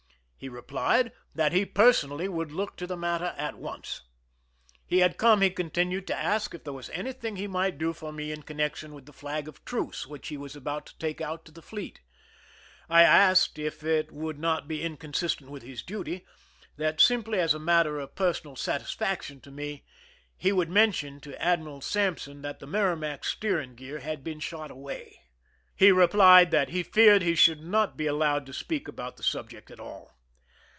He replied that he personally would look to the matter at once. He had come, he continued, to ask if there was any thing he might do for me in connection with the flag of truce which he was about to take out to the fleet. I asked, if it would not be inconsistent with his duty, that, simply as a matter of personal satisfaction to me, he would mention to Admiral Sampson that the Merrimac^s steering gear had been shot away. He replied that he feared he should not be allowed to speak about the subject at all.